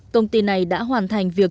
công ty này đã hoàn thành việc